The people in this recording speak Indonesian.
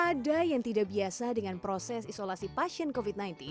ada yang tidak biasa dengan proses isolasi pasien covid sembilan belas